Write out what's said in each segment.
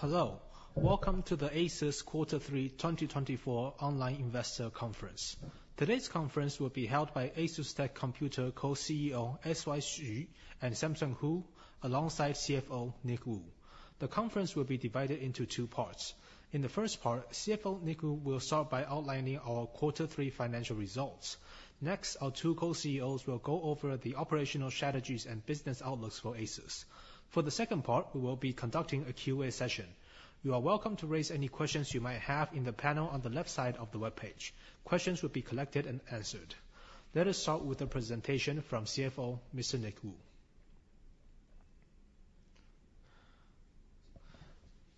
Hello. Welcome to the ASUS Q3 2024 online investor conference. Today's conference will be held by ASUSTeK Computer Co-CEO S.Y. and Samson Hu alongside CFO Nick Wu. The conference will be divided into two parts. In the first part, CFO Nick Wu will start by outlining our Quarter three financial results. Next, our two Co-CEOs will go over the operational strategies and business outlooks for ASUS. For the second part, we will be conducting a Q&A session. You are welcome to raise any questions you might have in the panel on the left side of the webpage. Questions will be collected and answered. Let us start with a presentation from CFO Mr. Nick Wu.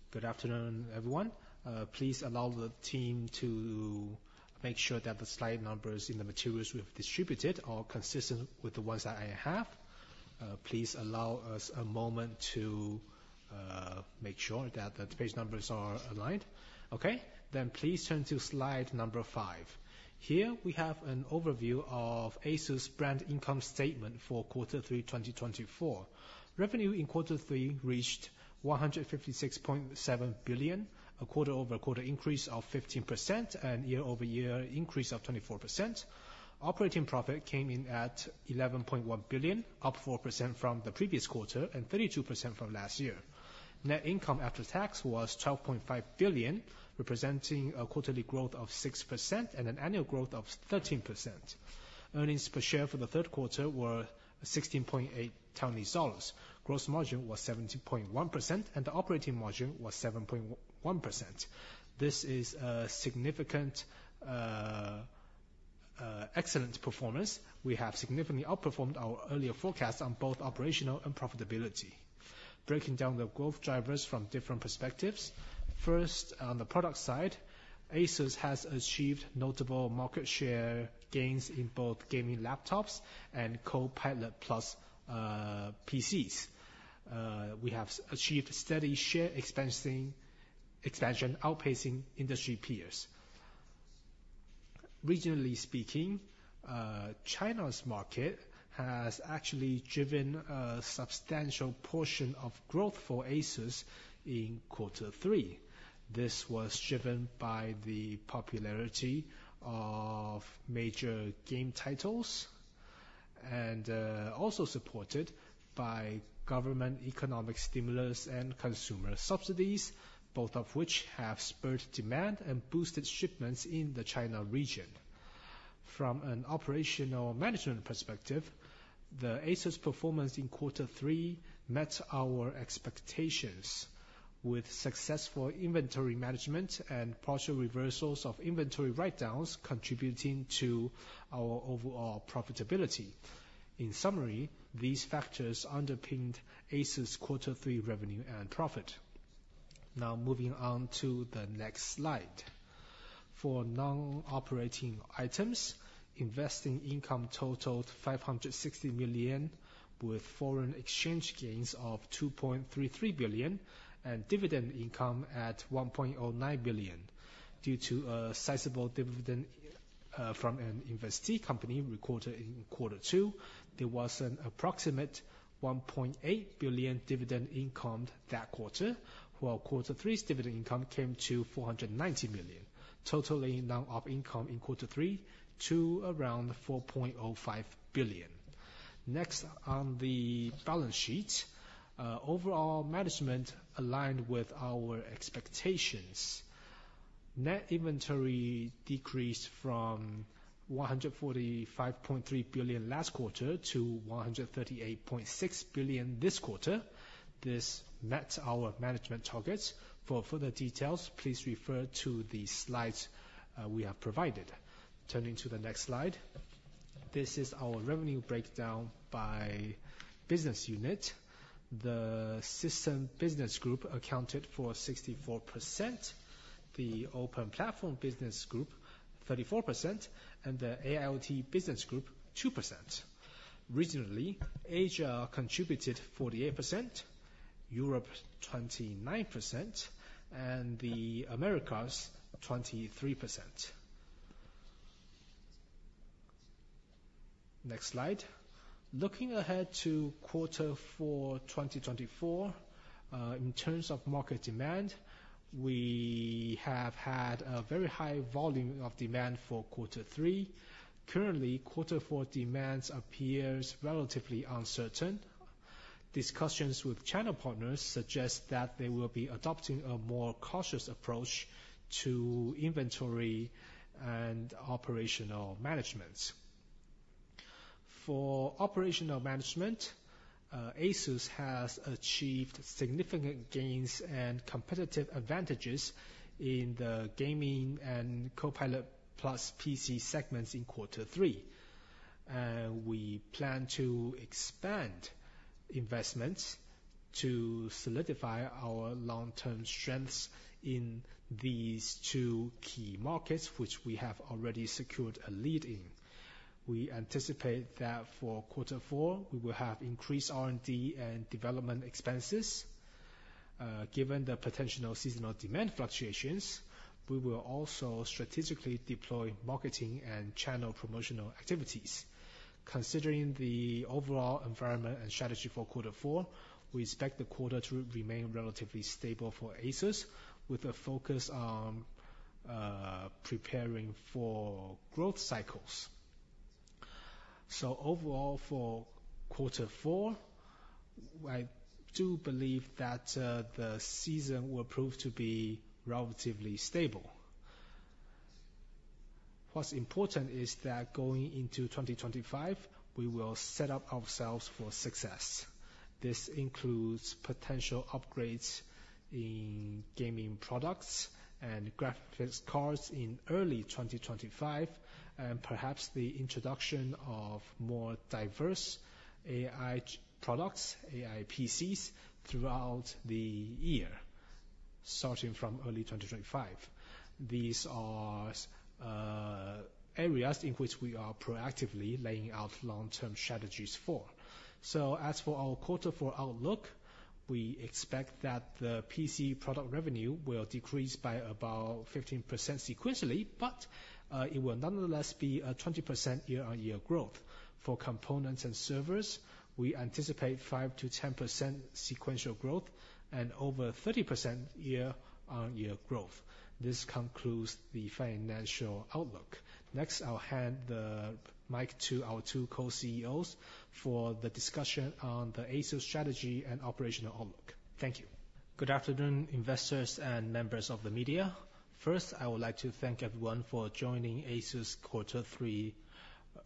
Good afternoon everyone. Please allow the team to make sure that the slide numbers in the materials we have distributed are consistent with the ones that I have. Please allow us a moment to make sure that the page numbers are aligned. Okay then, please turn to slide number five. Here we have an overview of ASUS brand income statement for quarter three 2024. Revenue in quarter three reached 156.7 billion, a quarter over quarter increase of 15% and year over year increase of 24%. Operating profit came in at 11.1 billion, up 4% from the previous quarter and 32% from last year. Net income after tax was TWD 12.5 billion, representing a quarterly growth of 6% and an annual growth of 13%. Earnings per share for the third quarter were 16.8 dollars, gross margin was 17.1% and the operating margin was 7.1%. This is a significant excellent performance. We have significantly outperformed our earlier forecast on both operational and profitability, breaking down the growth drivers from different perspectives. First, on the product side, ASUS has achieved notable market share gains in both gaming laptops and Copilot+ PCs. We have achieved steady share expansion, outpacing industry peers. Regionally speaking, China's market has actually driven a substantial portion of growth for ASUS in quarter three. This was driven by the popularity of major game titles and also supported by government economic stimulus and consumer subsidies, both of which have spurred demand and boosted shipments in the China region. From an operational management perspective, the ASUS performance in quarter three met our expectations with successful inventory management and partial reversals of inventory write-downs contributing to our overall profitability. In summary, these factors underpinned ASUS's quarter three revenue and profit. Now moving on to the next slide for non-operating items. Investing income totaled 560 million, with foreign exchange gains of 2.33 billion and dividend income at 1.09 billion due to a sizable dividend from an investee company recorded in quarter two. There was an approximate 1.8 billion dividend income that quarter, while quarter three's dividend income came to 490 million. Total non-operating income in quarter three to around 4.05 billion. Next on the balance sheet, overall management aligned with our expectations. Net inventory decreased from 145.3 billion last quarter to 138.6 billion this quarter. This met our management targets. For further details, please refer to the slides we have provided. Turning to the next slide, this is our revenue breakdown by business unit. The System Business Group accounted for 64%, the Open Platform Business Group 34% and the AIoT Business Group 2%. Regionally, Asia contributed 48%, Europe 29%, and the Americas 23%. Next slide. Looking ahead to quarter four 2024 in terms of market demand, we have had a very high volume of demand for quarter 3. Currently, Q4 demand appears relatively uncertain. Discussions with China partners suggest that they will be adopting a more cautious approach to inventory and operational management. For operational management, ASUS has achieved significant gains and competitive advantages in the gaming and Copilot PC segments. In quarter three, we plan to expand investments to solidify our long term strengths in these two key markets which we have already secured a lead in. We anticipate that for quarter four we will have increased R and D and development expenses. Given the potential seasonal demand fluctuations. We will also strategically deploy marketing and channel promotional activities. Considering the overall environment and strategy for Q4, we expect the quarter to remain relatively stable for ASUS with a focus on preparing for growth cycles. So overall for quarter four I do believe that the season will prove to be relatively stable. What's important is that going into 2025 we will set up ourselves for success. This includes potential upgrades in gaming products and graphics cards in early 2025 and perhaps the introduction of more diverse AI products, AI PCs throughout the year starting from early 2025. These are areas in which we are proactively laying out long term strategies for. So as for our quarter 4 outlook, we expect that the PC product revenue will decrease by about 15% sequentially, but it will nonetheless be a 20% year on year growth. For components and servers, we anticipate 5%-10% sequential growth and over 30% year-on-year growth. This concludes the financial outlook. Next, I'll hand the mic to our two Co-CEOs for the discussion on the ASUS strategy and operational outlook. Thank you. Good afternoon investors and members of the media. First, I would like to thank everyone for joining ASUS Q3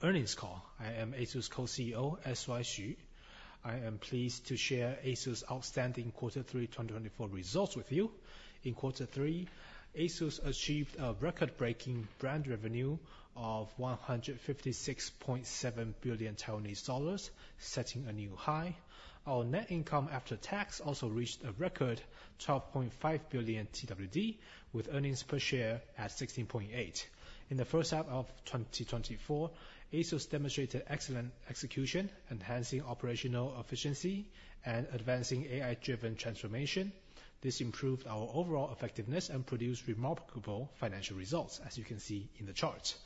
earnings call. I am ASUS Co-CEO S.Y. Hsu. I am pleased to share ASUS outstanding Quarter 3 2024 results with you. In Quarter 3, ASUS achieved a record-breaking brand revenue of 156.7 billion Taiwanese dollars, setting a new high. Our net income after tax also reached a record 12.5 billion TWD with earnings per share at 16.8. In the first half of 2024, ASUS demonstrated excellent execution, enhancing operational efficiency and advancing AI-driven transformation. This improved our overall effectiveness and produced remarkable financial results. As you can see in the chart,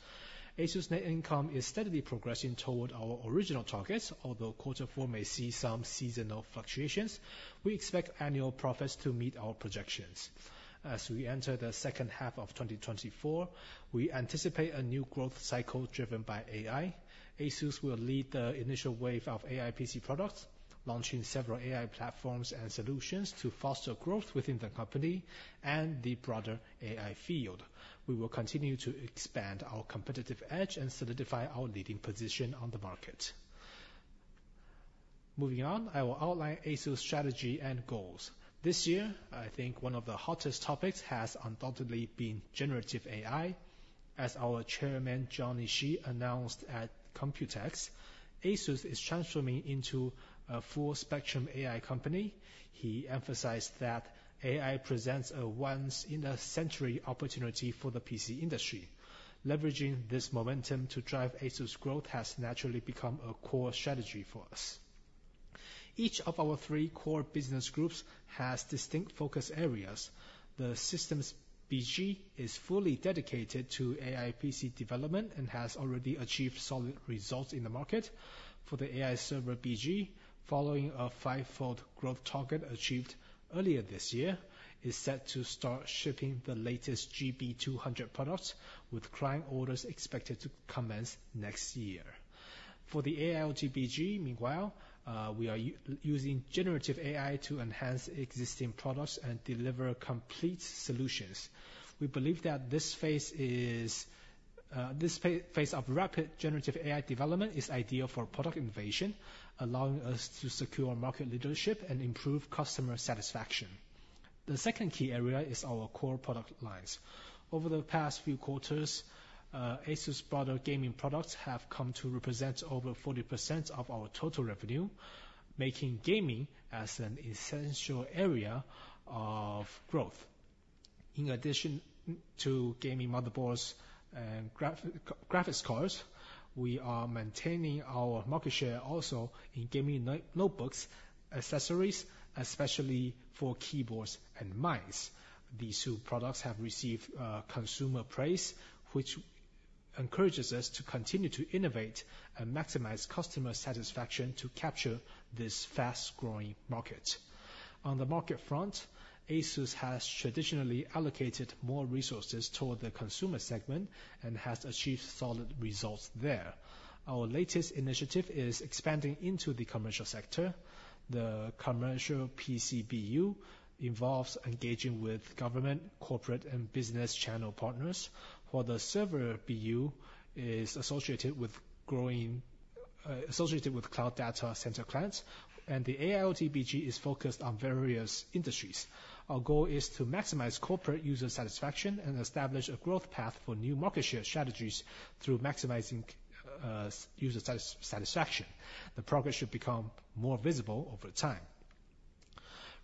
ASUS net income is steadily progressing toward our original targets. Although Q4 may see some seasonal fluctuations, we expect annual profits to meet our projections. As we enter the second half of 2024, we anticipate a new growth cycle driven by AI. ASUS will lead the initial wave of AI PC products, launching several AI platforms and solutions to foster growth within the company and the broader AI field. We will continue to expand our competitive edge and solidify our leading position on the market. Moving on, I will outline ASUS strategy and goals this year. I think one of the hottest topics has undoubtedly been generative AI. As our Chairman Jonney Shih announced at Computex, ASUS is transforming into a full spectrum AI company. He emphasized that AI presents a once in a century opportunity for the PC industry. Leveraging this momentum to drive ASUS growth has naturally become a core strategy for us. Each of our three core business groups has distinct focus areas. The Systems BG is fully dedicated to AI PC development and has already achieved solid results in the market. For the AI Server BG, following a fivefold growth target achieved earlier this year, is set to start shipping the latest GB200 products with client orders expected to commence next year. For the AIoT BG, meanwhile, we are using generative AI to enhance existing products and deliver complete solutions. We believe that this phase of rapid generative AI development is ideal for product innovation, allowing us to secure market leadership and improve customer satisfaction. The second key area is our core product lines. Over the past few quarters, ASUS broader gaming products have come to represent over 40% of our total revenue, making gaming as an essential area of growth. Growth in addition to gaming motherboards and graphics cards, we are maintaining our market share also in gaming notebooks, accessories, especially for keyboards and mice. These two products have received consumer praise which encourages us to continue to innovate and maximize customer satisfaction to capture this fast growing market. On the market front, ASUS has traditionally allocated more resources toward the consumer segment and has achieved solid results there. Our latest initiative is expanding into the commercial sector. The Commercial PC BU involves engaging with government, corporate and business channel partners, while the Server BU is associated with growing, associated with cloud, data center clients and the AIoT BG is focused on various industries. Our goal is to maximize corporate user satisfaction and establish a growth path for new market share strategies through maximizing user satisfaction. The progress should become more visible over time.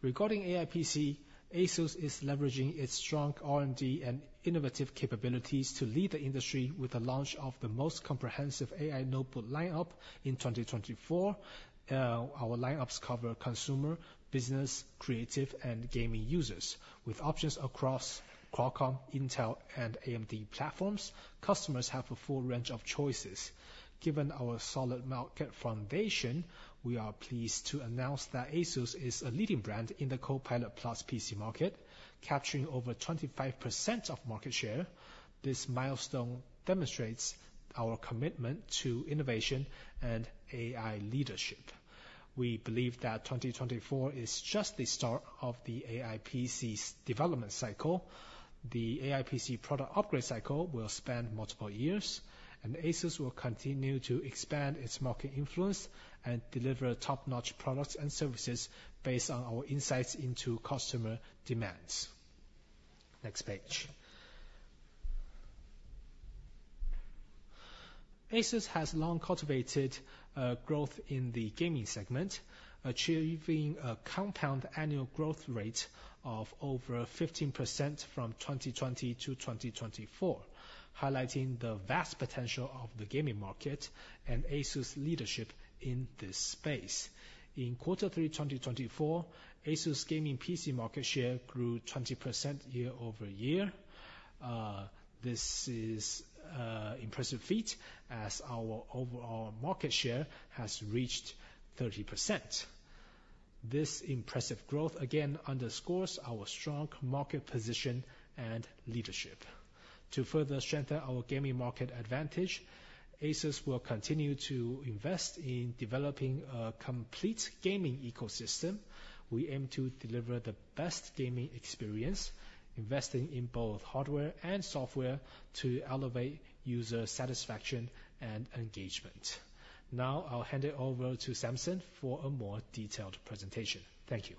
Regarding AI PC, ASUS is leveraging its strong R and D and its innovative capabilities to lead the industry with the launch of the most comprehensive AI notebook lineup in 2024. Our lineups cover consumer, business, creative and gaming users with options across Qualcomm, Intel and AMD platforms. Customers have a full range of choices. Given our solid market foundation, we are pleased to announce that ASUS is a leading brand in the Copilot+ PC market, capturing over 25% of market share. This milestone demonstrates our commitment to innovation and AI leadership. We believe that 2024 is just the start of the AI PC development cycle. The AI PC product upgrade cycle will span multiple years and ASUS will continue to expand its market influence and deliver top-notch products and services based on our insights into customer demands. Next page. ASUS has long cultivated growth in the gaming segment, achieving a compound annual growth rate of over 15% from 2020 to 2024, highlighting the vast potential of the gaming market and ASUS leadership in this space. In Q3 2024, ASUS Gaming PC market share grew 20% year over year. This is an impressive feat as our overall market share has reached 30%. This impressive growth again underscores our strong market position and leadership. To further strengthen our gaming market advantage, ASUS will continue to invest in developing a complete gaming ecosystem. We aim to deliver the best gaming experience, investing in both hardware and software to elevate user satisfaction and engagement. Now I'll hand it over to Samson for a more detailed presentation. Thank you.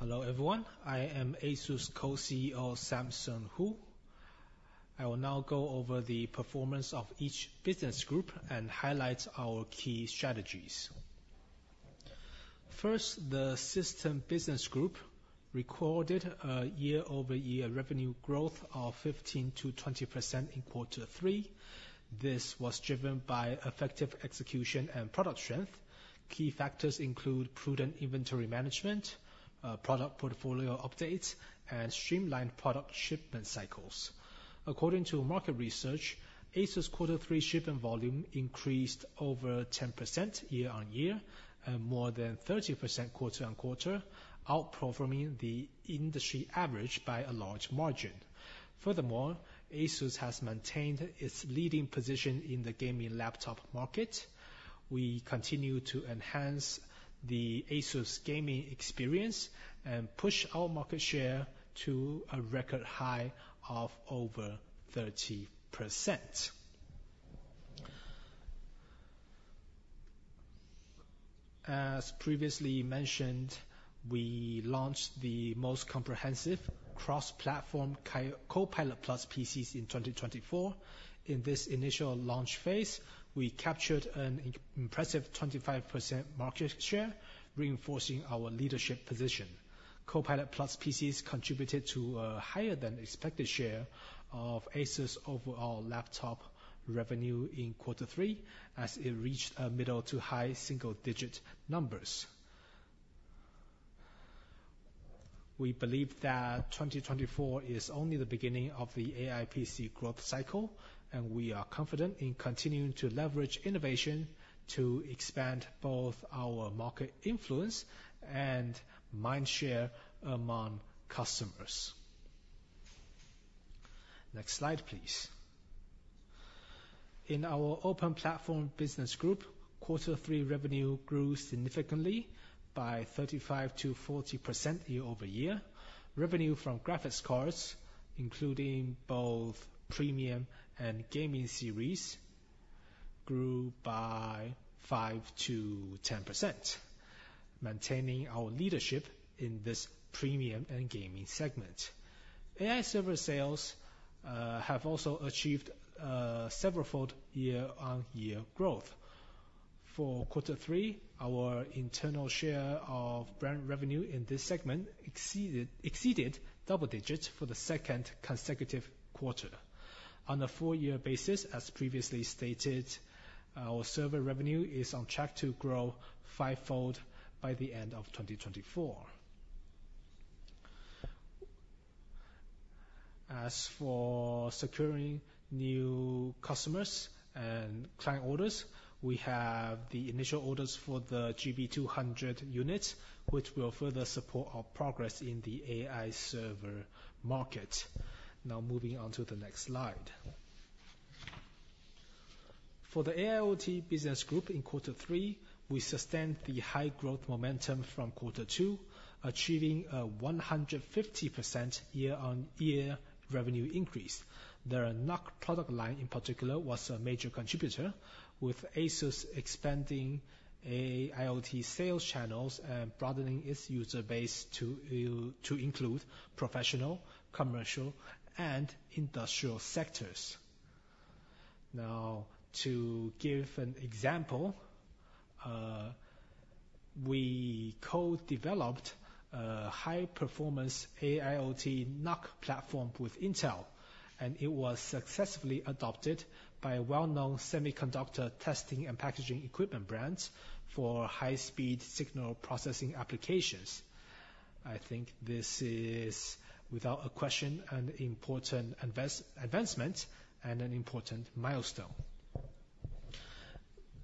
Hello everyone, I am ASUS Co-CEO Samson Hu. I will now go over the performance of each business group and highlight our key strategies. First, the System Business Group recorded a year-over-year revenue growth of 15%-20% in quarter three. This was driven by effective execution and product strength. Key factors include prudent inventory management, product portfolio updates and streamlined product shipment cycles. According to market research, ASUS Q3 shipping volume increased over 10% year on year, more than 30% quarter on quarter, outperforming the industry average by a large margin. Furthermore, ASUS has maintained its leading position in the gaming laptop market. We continue to enhance the ASUS gaming experience and push our market share to a record high of over 30%. As previously mentioned, we launched the most comprehensive cross-platform Copilot+ PCs in 2024. In this initial launch phase we captured an impressive 25% market share reinforcing our leadership position. Copilot+ PCs contributed to a higher than expected share of ASUS overall laptop revenue in quarter three as it reached middle to high single digit numbers. We believe that 2024 is only the beginning of the AI PC growth cycle and we are confident in continuing to leverage innovation to expand both our market influence and mindshare among customers. Next slide, please. In our Open Platform business group, quarter three revenue grew significantly by 35%-40% year over year. Revenue from graphics cards including both premium and gaming series grew by 5%-10%. Maintaining our leadership in this premium and gaming segment, AI server sales have also achieved several-fold year-on-year growth for quarter three. Our internal share of brand revenue in this segment exceeded double digits for the second consecutive quarter on a four-year basis. As previously stated, our server revenue is on track to grow fivefold by the end of 2024. As for securing new customers and client orders, we have the initial orders for the GB200 units which will further support our progress in the AI server market. Now moving on to the next slide for the AIoT Business group in quarter three, we sustained the high growth momentum from quarter two, achieving a 150% year-on-year revenue increase. The NUC product line in particular was a major contributor with ASUS expanding IoT sales channels and broadening its user base to include professional, commercial and industrial sectors. Now to give an example, we co-developed a high-performance AIoT NUC platform with Intel and it was successfully adopted by well-known semiconductor, testing and packaging equipment brands for high-speed signal processing applications. I think this is without a question an important advancement and an important milestone.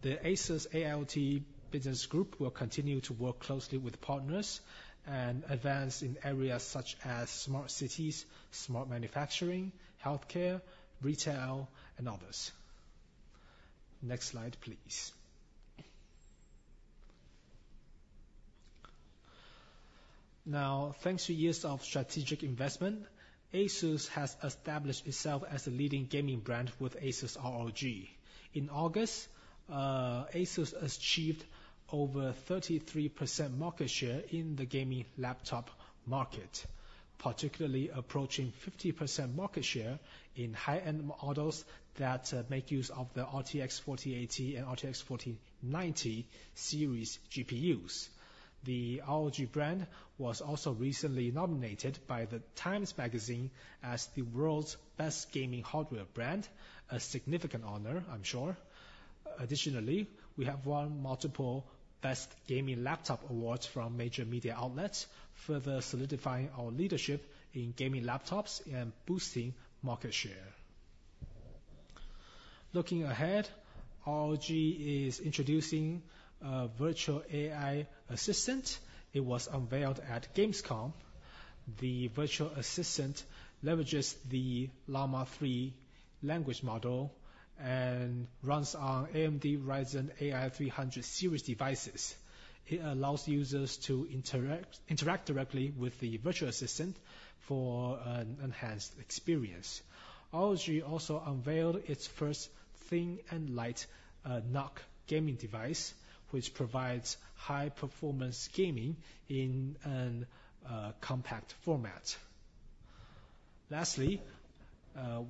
The ASUS AI Business Group will continue to work closely with partners and advance in areas such as smart cities, smart manufacturing, healthcare, retail and others. Next slide please. Now thanks to years of strategic investment, ASUS has established itself as a leading gaming brand with ASUS ROG. In August ASUS achieved over 33% market share in the gaming laptop market, particularly approaching 50% market share in high-end models that make use of the RTX 4080 and RTX 4090 series GPUs. The ROG brand was also recently nominated by TIME as the world's best gaming hardware brand. A significant honor, I'm sure. Additionally, we have won multiple Best Gaming Laptop awards from major media outlets, further solidifying our leadership in gaming laptops and boosting market share. Looking ahead, ROG is introducing a virtual AI assistant. It was unveiled at Gamescom. The virtual assistant leverages the Llama 3 language model and runs on AMD Ryzen AI 300 Series devices. It allows users to interact directly with the virtual assistant for an enhanced experience. ROG also unveiled its first thin and light ROG gaming device which provides high performance gaming in a compact format. Lastly,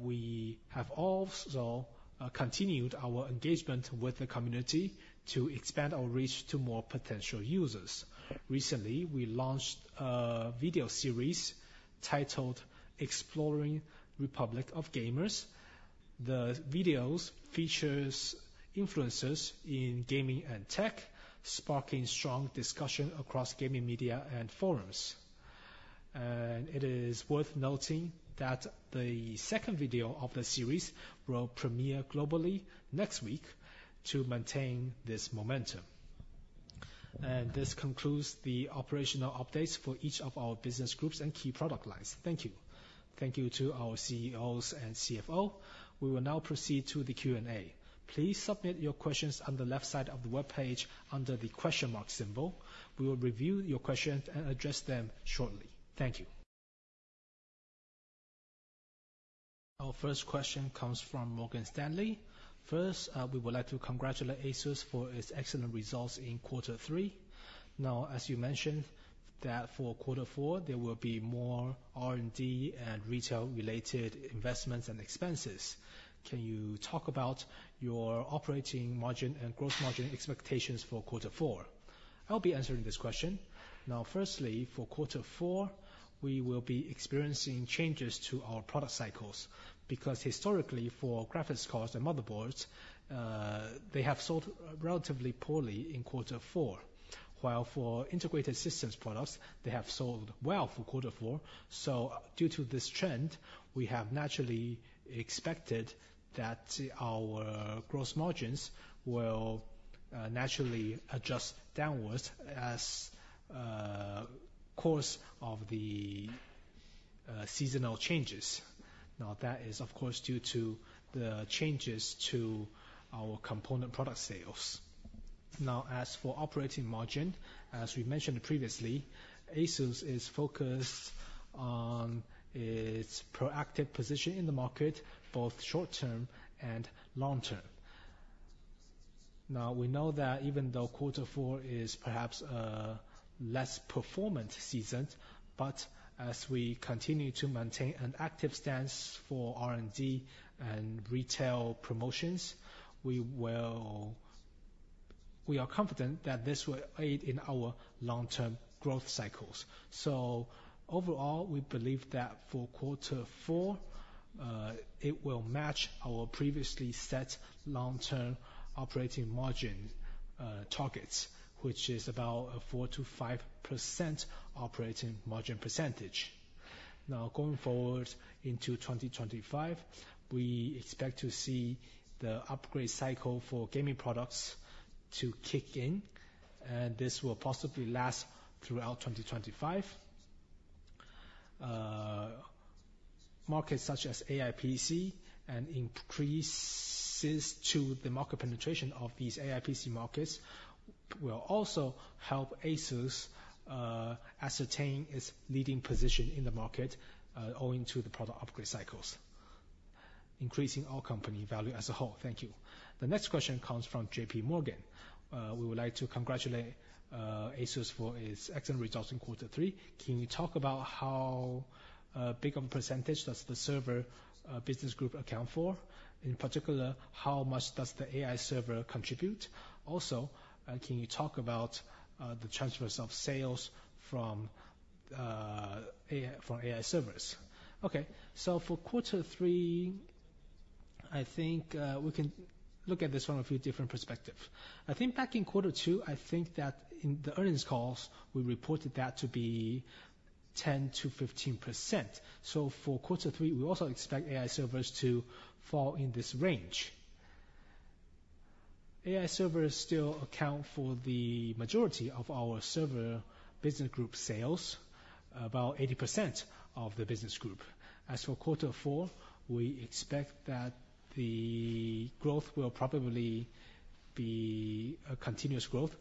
we have also continued our engagement with the community to expand our reach to more potential users. Recently we launched a video series titled Exploring Republic of Gamers. The video features influencers in gaming and tech, sparking strong discussion across gaming media and forums. It is worth noting that the second video of the series will premiere globally next week. To maintain this momentum, this concludes the operational updates for each of our business groups and key product lines. Thank you thank you to our CEOs and CFO. We will now proceed to the Q and A. Please submit your questions on the left side of the webpage under the question mark symbol. We will review your questions and address them shortly. Thank you. Our first question comes from Morgan Stanley. First, we would like to congratulate ASUS for its excellent results in quarter three. Now as you mentioned that for quarter four there will be more R and D and retail related investments and expenses. Can you talk about your operating margin and gross margin expectations for quarter four? I'll be answering this question now. Firstly for quarter four we will be experiencing changes to our product cycles because historically for graphics cards and motherboards they have sold relatively poorly in quarter four while for integrated systems products they have sold well for quarter four. So due to this trend we have naturally expected that our gross margins will naturally adjust downwards of course of the seasonal changes. Now that is of course due to the changes to our component product sales. Now as for operating margin, as we mentioned previously, ASUS is focused on its proactive position in the market both short term and long term. Now we know that even though quarter four is perhaps a less performant season, but as we continue to maintain an active stance for R and D and retail promotions, we are confident that this will aid in our long-term growth cycles. So overall we believe that for quarter four it will match our previously set long-term operating margin targets which is about a 4%-5% operating margin percentage. Now going forward into 2025 we expect to see the upgrade cycle for gaming products to kick in and this will possibly last throughout 2025 markets such as AIPC, and increases to the market penetration of these AIPC markets will also help ASUS ascertain its leading position in the market owing to the product upgrade cycles, increasing our company value as a whole. Thank you. The next question comes from J.P. Morgan. We would like to congratulate ASUS for its excellent results in quarter three. Can you talk about how big of a percentage does the Server Business Group account for? In particular, how much does the AI server contribute? Also, can you talk about the transfers of sales from AI servers? Okay, so for quarter three, I think we can look at this from a few different perspectives. I think back in quarter two, I think that in the earnings calls we reported that to be 10%-15%. So for quarter three, we also expect AI servers to fall in this range. AI servers still account for the majority of our Server Business Group sales, about 80% of the business group. As for quarter 4, we expect that the growth will probably be a continuous growth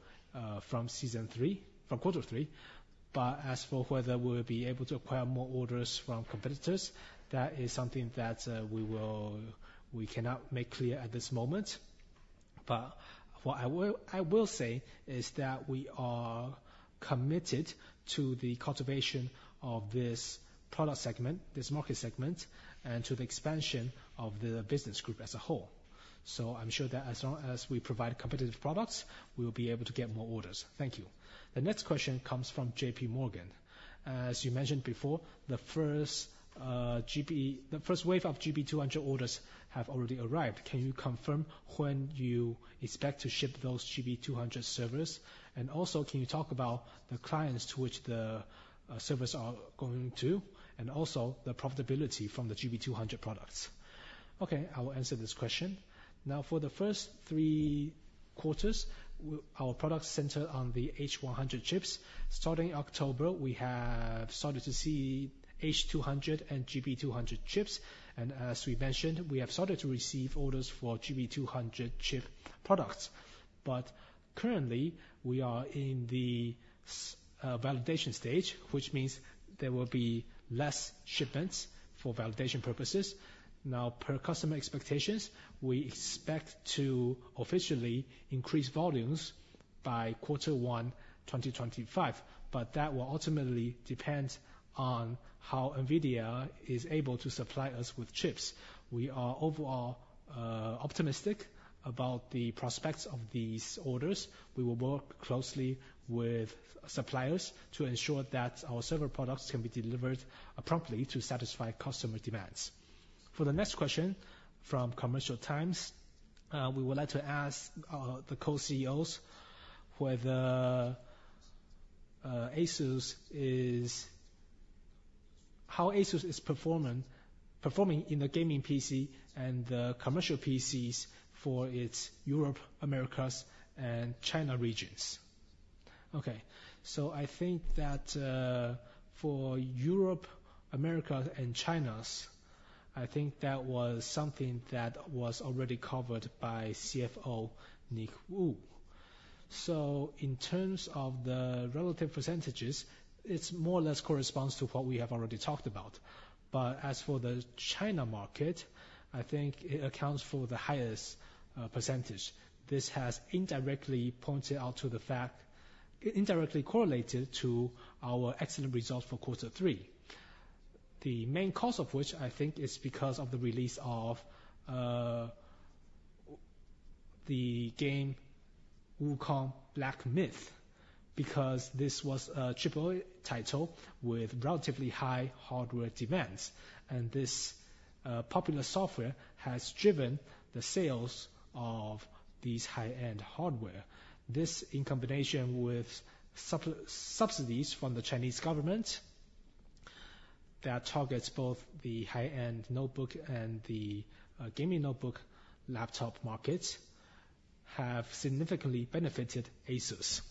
from quarter three from quarter three. But as for whether we will be able to acquire more orders from competitors, that is something that we will, we cannot make clear at this moment. But what I will say is that we are committed to the cultivation of this product segment, this market segment, and to the expansion of the business group as a whole. So I'm sure that as long as we provide competitive products, we will be able to get more orders. Thank you. The next question comes from J.P. Morgan. As you mentioned before, the first wave of GB200 orders have already arrived. Can you confirm when you expect to ship those GB200 servers? And also can you talk about the clients to which the servers are going to and also the profitability from the GB200 products? Okay, I will answer this question now. For the first three quarters, our products center on the H100 chips. Starting October, we have started to see H200 and GB200 chips, and as we mentioned, we have started to receive orders for GB200 chip products, but currently we are in the validation stage, which means there will be less shipments for validation purposes. Now, per customer expectations, we expect to officially increase volumes by quarter one 2025, but that will ultimately depend on how NVIDIA is able to supply us with chips. We are overall optimistic about the prospects of these orders. We will work closely with suppliers to ensure that our server products can be delivered promptly to satisfy customer demands. For the next question from Commercial Times, we would like to ask the Co-CEOs whether ASUS is how ASUS is performing in the gaming PC and the commercial PCs for its Europe, Americas, and China regions. Okay, so I think that for Europe, Americas, and China's I think that was something that was already covered by CFO Nick Wu. So in terms of the relative percentages, it more or less corresponds to what we have already talked about. But as for the China market, I think it accounts for the highest percentage. This has indirectly pointed out to the fact that indirectly correlated to our excellent results for quarter three. The main cause of which I think is because of the release of the game Black Myth: Wukong because this was a triple-A title with relatively high hardware demands and this popular software has driven the sales of these high-end hardware. This in combination with subsidies from the Chinese government that targets both the high-end notebook and the gaming notebook laptop market have significantly benefited ASUS.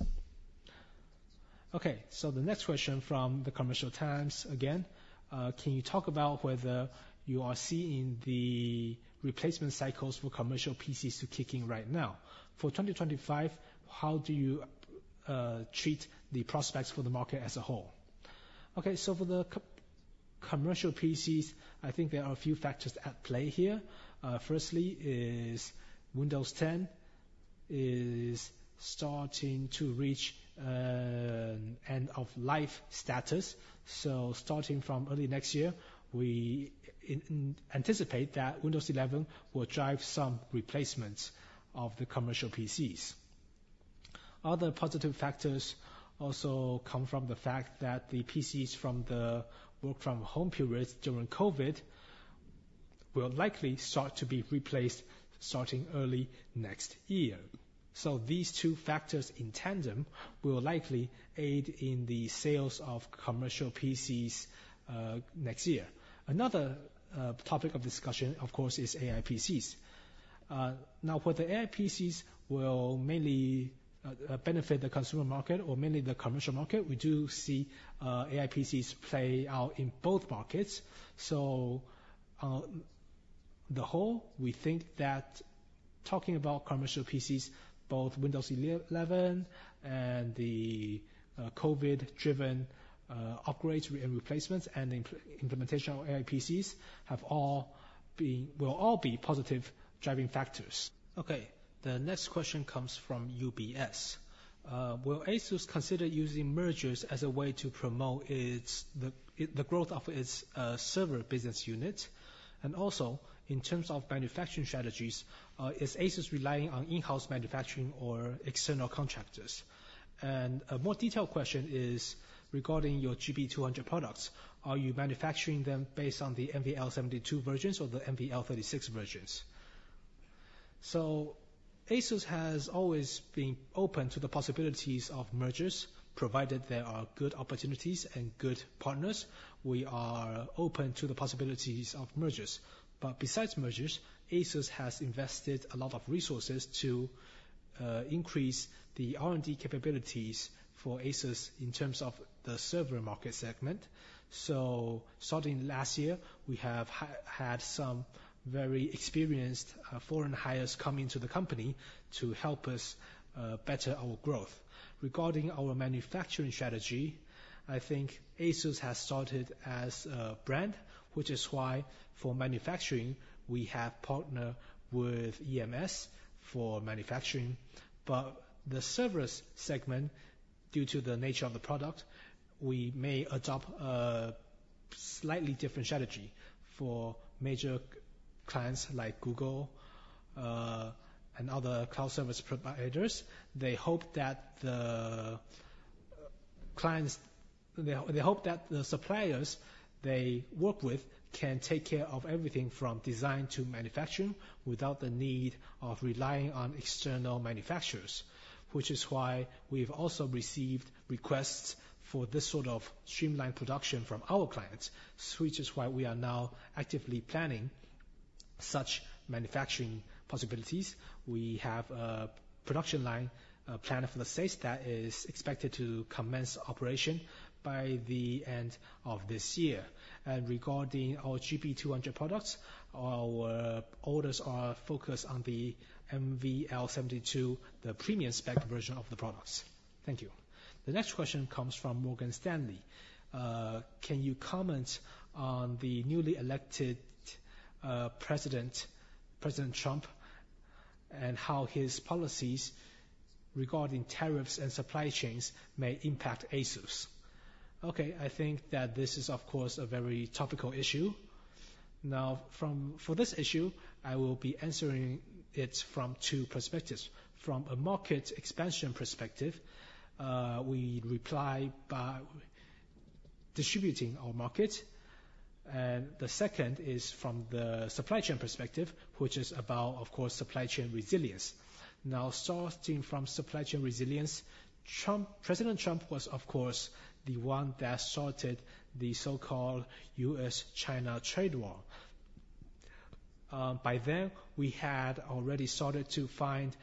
Okay, so the next question from the Commercial Times again, can you talk about whether you are seeing the replacement cycles for commercial PCs to kick in right now for 2025? How do you treat the prospects for the market as a whole? Okay, so for the commercial PCs I think there are a few factors at play here. Firstly is Windows 10 is starting to reach end of life status. So starting from early next year we anticipate that Windows 11 will drive some replacements of the commercial PCs. Other positive factors also come from the fact that the PCs from the work-from-home periods during COVID will likely start to be replaced starting early next year. So these two factors in tandem will likely aid in the sales of commercial PCs next year. Another topic of discussion of course is AI PCs. Now whether AI PCs will mainly benefit the consumer market or mainly the commercial market, we do see AI PCs play out in both markets. So overall we think that talking about commercial PCs, both Windows 11 and the COVID-driven upgrades and replacements and implementation of AI PCs will all be positive driving factors. Okay, the next question comes from UBS. Will ASUS consider using mergers as a way to promote the growth of its server business unit? And also in terms of manufacturing strategies, is ASUS relying on in house manufacturing or external contractors? And a more detailed question is regarding your GB200 products, are you manufacturing them based on the NVL72 versions or the NVL36 versions? So ASUS has always been open to the possibilities of mergers provided there are good opportunities and good partners. We are open to the possibilities of mergers. But besides mergers, ASUS has invested a lot of resources to increase the R and D capabilities for ASUS in terms of the server market segment. So starting last year we have had some very experienced foreign hires coming to the company to help us better our growth. Regarding our manufacturing strategy, I think ASUS has started as a brand, which is why for manufacturing we have partnered with EMS for manufacturing, but the service segment, due to the nature of the product, we may adopt a slightly different strategy for major clients like Google and other cloud service providers. They hope that the clients, they hope that the suppliers they work with can take care of everything from design to manufacturing without the need of relying on external manufacturers. Which is why we've also received requests for this sort of streamlined production from our clients, which is why we are now actively planning such manufacturing possibilities. We have a production line plan for the States that is expected to commence operation by the end of this year. Regarding our GB200 products, our orders are focused on the NVL72, the premium spec version of the products. Thank you. The next question comes from Morgan Stanley. Can you comment on the newly elected president, President Trump, and how his policies regarding tariffs and supply chains may impact ASUS? Okay, I think that this is of course a very topical issue. Now for this issue, I will be answering it from two perspectives. From a market expansion perspective, we rely by diversifying our market, and the second is from the supply chain perspective, which is about, of course, supply chain resilience. Now starting from supply chain resilience, President Trump was of course the one that started the so-called U.S.-China Trade War. By then we had already started to find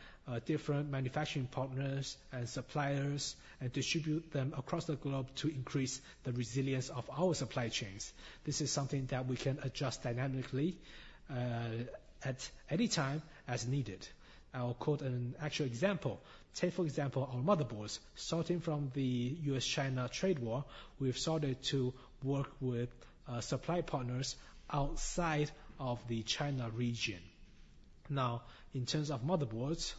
different manufacturing partners and suppliers and distribute them across the globe to increase the resilience of our supply chains. This is something that we can adjust dynamically at any time as needed. I'll quote an actual example. Take, for example, our motherboards sourcing from the U.S.-China Trade War. We've sourced to work with supply partners outside of the China region. Now in terms of motherboards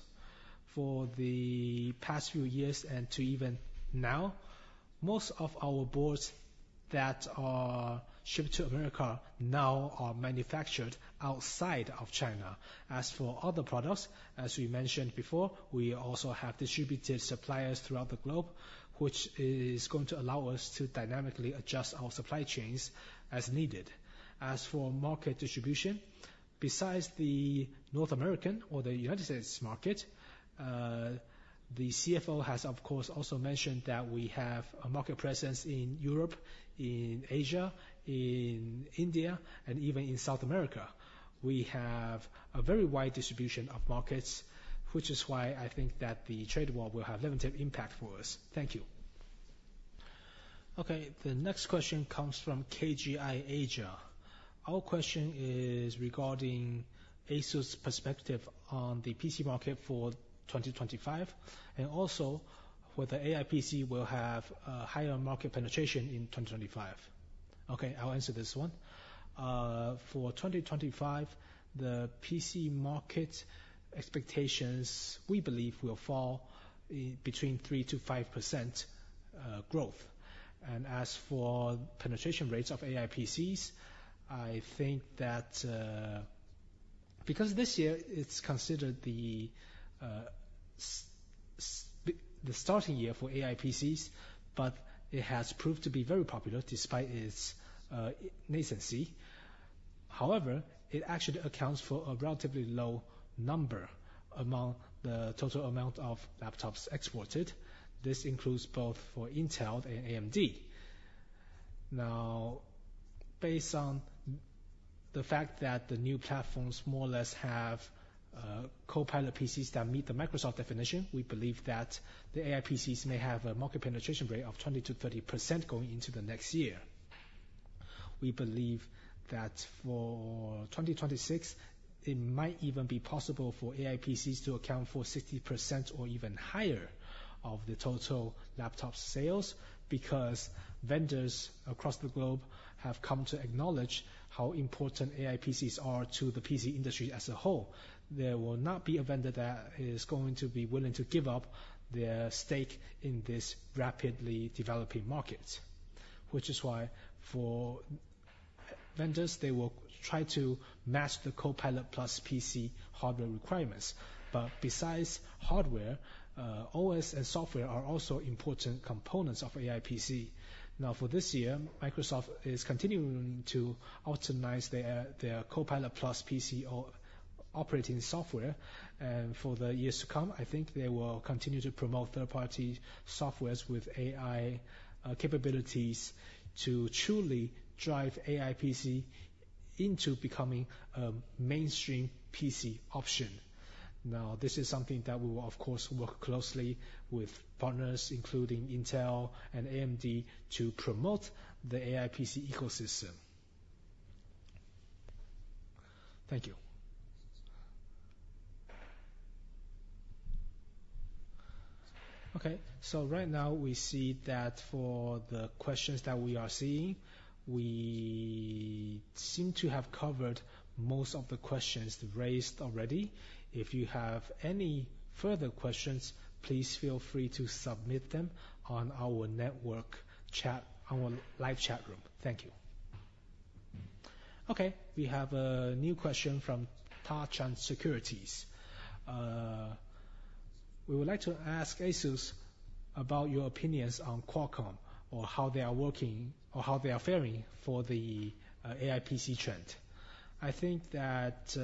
for the past few years and to even now, most of our boards that are shipped to America now are manufactured outside of China. As for other products, as we mentioned before, we also have distributed suppliers throughout the globe which is going to allow us to dynamically adjust our supply chains as needed. As for market distribution, besides the North American or the United States market, the CFO has of course also mentioned that we have a market presence in Europe, in Asia, in India and even in South America. We have a very wide distribution of markets which is why I think that the trade war will have limited impact for us. Thank you. Okay, the next question comes from KGI Asia. Our question is regarding ASUS perspective on the PC market for 2025 and also whether AI PC will have higher market penetration in 2025. Okay, I'll answer this one. For 2025, the PC market expectations we believe will fall between 3%-5% growth. And as for penetration rates of AI PCs, I think that because this year it's considered the starting year for AI PCs, but it has proved to be very popular. Despite its nascent. However, it actually accounts for a relatively low number among the total amount of laptops exported. This includes both for Intel and AMD. Now, based on the fact that the new platforms more or less have Copilot+ PCs that meet the Microsoft definition, we believe that the AI PCs may have a market penetration rate of 20%-30% going into the next year. We believe that for 2026 it might even be possible for AI PCs to account for 60% or even higher of the total laptop sales. Because vendors across the globe have come to acknowledge how important AI PCs are to the PC industry as a whole, there will not be a vendor that is going to be willing to give up their stake in this rapidly developing market. Which is why for vendors, they will try to match the Copilot plus PC hardware requirements. But besides hardware, OS and software are also important components of AI PC. Now for this year, Microsoft is continuing to optimize their Copilot plus PC OS operating software. And for the years to come, I think they will continue to promote third-party software with AI capabilities to truly drive AI PC into becoming a mainstream PC option. Now, this is something that will of course work closely with partners including Intel and AMD to promote the AIPC ecosystem. Thank you. Okay, so right now we see that for the questions that we are seeing, we seem to have covered most of the questions raised already. If you have any further questions, please feel free to submit them on our network chat, our live chat room. Thank you. Okay, we have a new question from Ta Chang Securities. We would like to ask ASUS about your opinions on Qualcomm or how they are working or how they are faring for the AIPC trend. I think that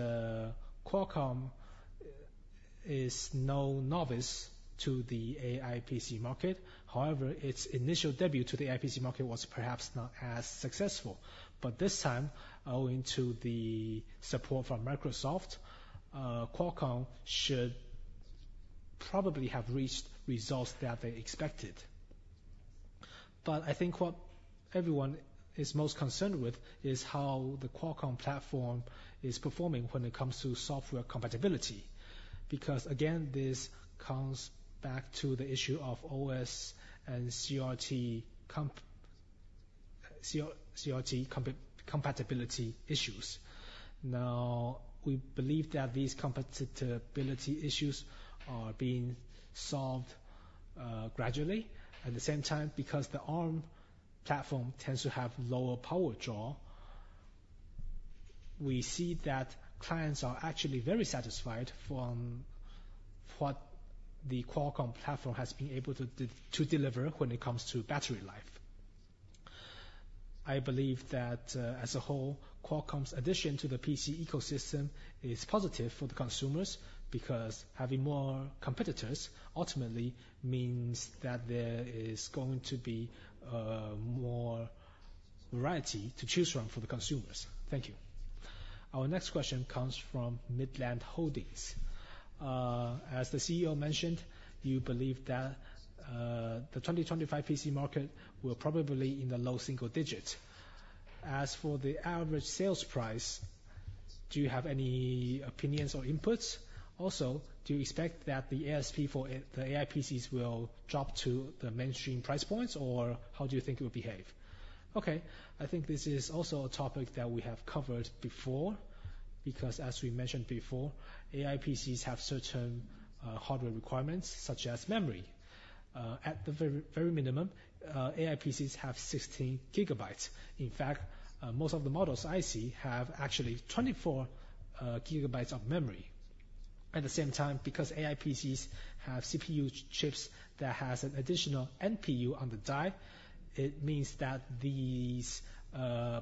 Qualcomm is no novice to the AIPC market. However, its initial debut to the AIPC market was perhaps not as successful. But this time, owing to the support from Microsoft, Qualcomm should probably have reached results that they expected. But I think what everyone is most concerned with is how the Qualcomm platform is performing when it comes to software compatibility. Because again, this comes back to the issue of OS and CRT compatibility issues. Now, we believe that these compatibility issues are being solved gradually. At the same time, because the ARM platform tends to have lower power draw, we see that clients are actually very satisfied for what the Qualcomm platform has been able to deliver when it comes to battery life. I believe that as a whole, Qualcomm's addition to the PC ecosystem is positive for the consumers because having more competitors ultimately means that there is going to be more variety to choose from for the consumers. Thank you. Our next question comes from Midland Holdings. As the CEO mentioned, you believe that the 2025 PC market were probably in the low single digit. As for the average sales price, do you have any opinions or inputs? Also, do you expect that the ASP for the AI PCs will drop to the mainstream price points or how do you think it will behave? Okay, I think this is also a topic that we have covered before because as we mentioned before, AI PCs have certain hardware requirements such as memory. At the very, very minimum, AI PCs have 16 gigabytes. In fact, most of the models I see have actually 24 gigabytes of memory. At the same time, because AI PCs have CPU chips that has an additional NPU on the die, it means that these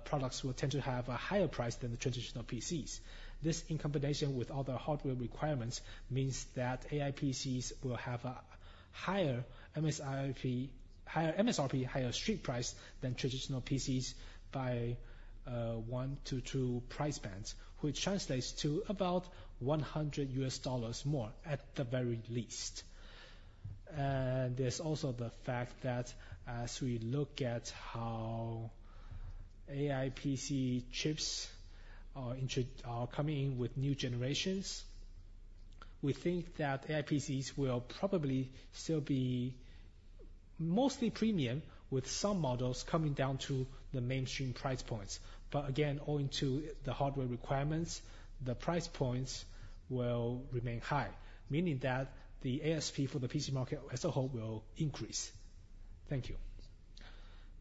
products will tend to have a higher price than the traditional PCs. This in combination with other hardware requirements means that AI PCs will have a higher MSRP, higher street price than traditional PCs by one to two price bands, which translates to about $100 more at the very least. And there's also the fact that as we look at how AIPC chips are coming with new generations, we think that AI PCs will probably still be mostly premium, with some models coming down to the mainstream price points. But again, owing to the hardware requirements, the price points will remain high, meaning that the ASP for the PC market as a whole will increase. Thank you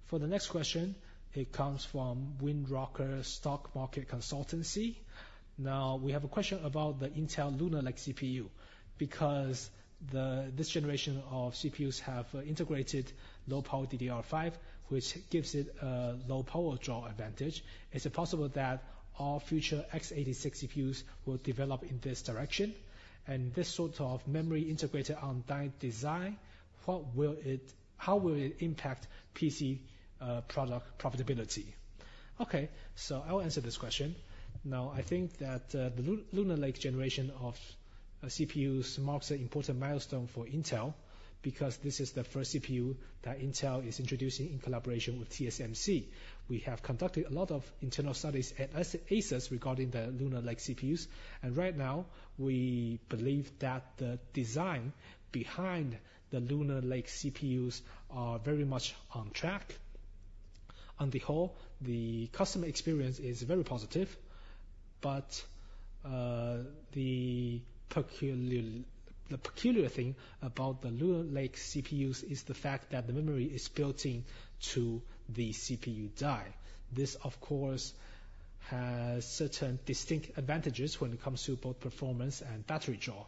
for the next question. It comes from Waterland Securities. Now we have a question about the Intel Lunar Lake CPU. Because this generation of CPUs have integrated low power DDR5, which gives it a low power draw advantage. Is it possible that all future x86 CPUs will develop in this direction? And this sort of memory integrated on dynamic design, how will it impact PC product profitability? Okay, so I'll answer this question now. I think that the Lunar Lake generation of CPUs marks an important milestone for Intel because this is the first CPU that Intel is introducing in collaboration with TSMC. We have conducted a lot of internal studies at ASUS regarding the Lunar Lake CPUs, and right now we believe that the design behind the Lunar Lake CPUs are very much on track. On the whole, the customer experience is very positive, but the peculiar thing about the Lunar Lake CPUs is the fact that the memory is built in to the CPU die. This of course has certain distinct advantages when it comes to both performance and battery draw.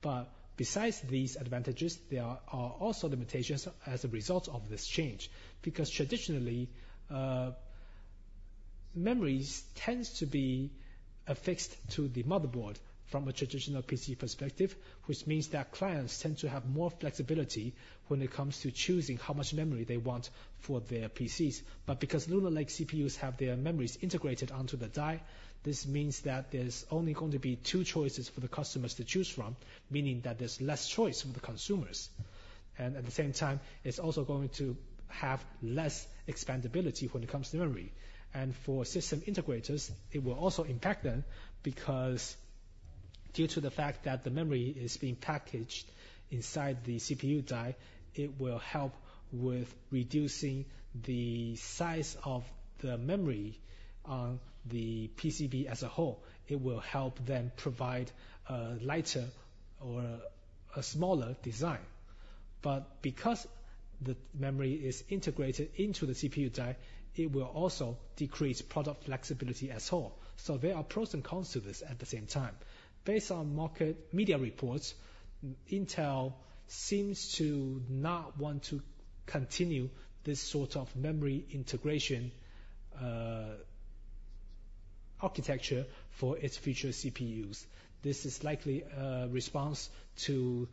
But besides these advantages, there are also limitations as a result of this change. Because traditionally memories tend to be affixed to the motherboard from a traditional PC perspective, which means that clients tend to have more flexibility when it comes to choosing how much memory they want for their PCs. But because Lunar Lake CPUs have their memories integrated onto the die, this means that there's only going to be two choices for the customers to choose from, meaning that there's less choice for the consumers. And at the same time it's also going to have less expandability when it comes to memory. And for system integrators, it will also impact them because due to the fact that the memory is being packaged inside the CPU die, it will help with reducing the size of the memory. The PCB as a whole, it will help them provide lighter or a smaller design. But because the memory is integrated into the CPU die, it will also decrease product flexibility as well. So there are pros and cons to this. At the same time, based on market media reports, Intel seems to not want to continue this sort of memory integration architecture for its future CPUs. This is likely a response to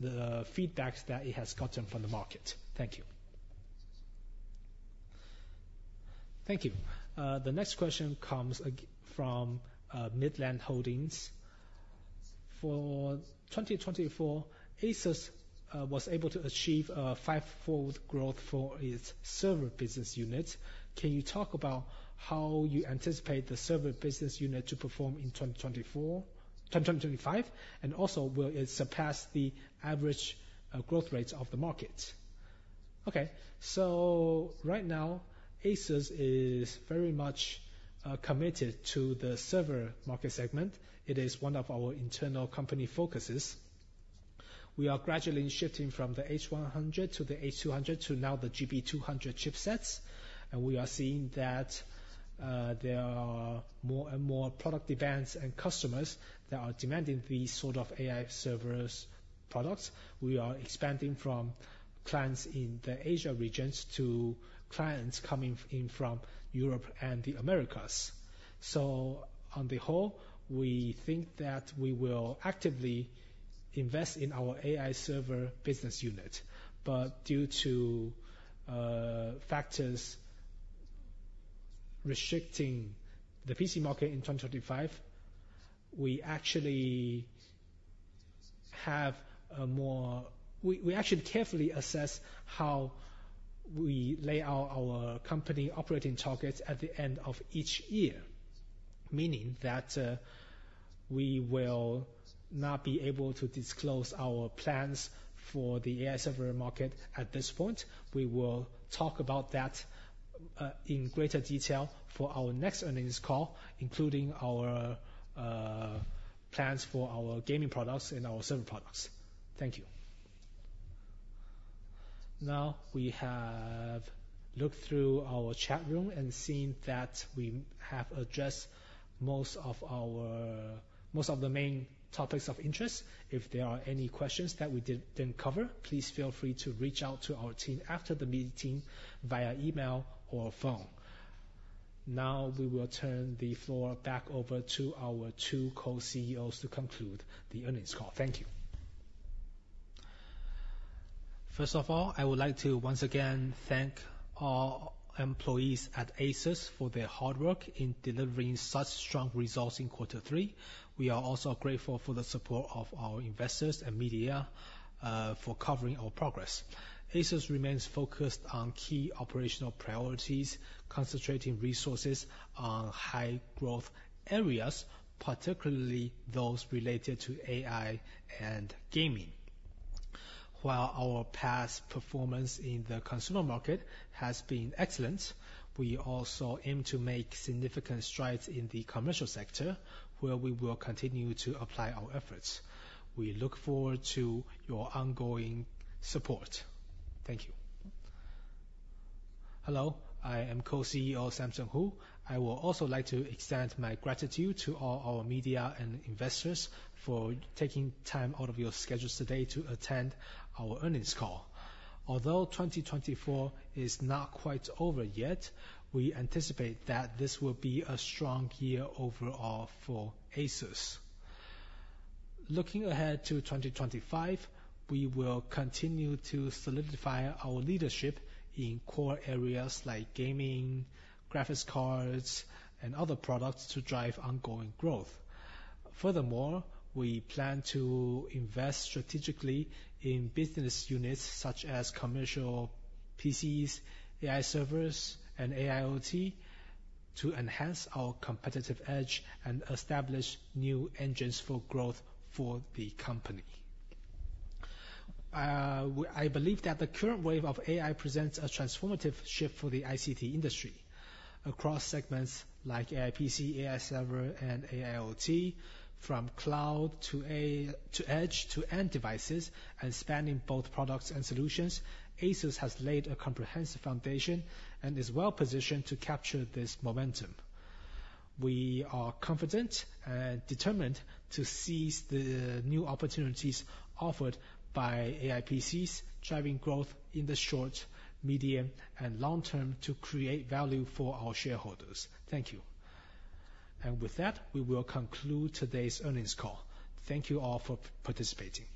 the feedback that it has gotten from the market. Thank you. Thank you. The next question comes from Midland Holdings. For 2024, ASUS was able to achieve fivefold growth for its server business unit. Can you talk about how you anticipate the server business unit to perform in 2025 and also will it surpass the average growth rate of the market? Okay, so right now ASUS is very much committed to the server market segment. It is one of our internal company focuses. We are gradually shifting from the H100 to the H200 to now the GB200 chipsets. And we are seeing that there are more and more product events and customers that are demanding these sort of AI servers products. We are expanding from clients in the Asia regions to clients coming in from Europe and the Americas. So on the whole we think that we will actively invest in our AI server business unit. But due to factors restricting the PC market in 2025, we actually have a more. We actually carefully assess how we lay out our company operating targets at the end of each year, meaning that we will not be able to disclose our plans for the AI server market at this point. We will talk about that in greater detail for our next earnings call, including our plans for our gaming products and our server products. Thank you. Now we have looked through our chat room and seen that we have addressed most of the main topics of interest. If there are any questions that we didn't cover, please feel free to reach out to our team after the meeting via email or phone. Now we will turn the floor back over to our two Co-CEOs to conclude the earnings call. Thank you. First of all, I would like to once again thank our employees at ASUS for their hard work in delivering such strong results in quarter three. We are also grateful for the support of our investors and media for covering our progress. ASUS remains focused on key operational priorities, concentrating resources on high growth areas, particularly those related to AI and gaming. While our past performance in the consumer market has been excellent, we also aim to make significant strides in the commercial sector where we will continue to apply our efforts. We look forward to your ongoing support. Thank you. Hello, I am Co-CEO Samson Hu. I would also like to extend my gratitude to all our media and investors for taking time out of your schedules today to attend our earnings call. Although 2024 is not quite over yet, we anticipate that this will be a strong year overall for ASUS. Looking ahead to 2025, we will continue to solidify our leadership in core areas like gaming, graphics cards and other products to drive ongoing growth. Furthermore, we plan to invest strategically in business units such as commercial PCs, AI servers and AIoT to enhance our competitive edge and establish new engines for growth for the company. I believe that the current wave of AI presents a transformative shift for the ICT industry across segments like AI PC, AI server and AIoT, from cloud to edge to end devices, and spanning both products and solutions. ASUS has laid a comprehensive foundation and is well positioned to capture this momentum. We are confident and determined to seize the new opportunities offered by AI PCs driving growth in the short, medium and long term to create value for our shareholders. Thank you, and with that, we will conclude today's earnings call. Thank you all for participating.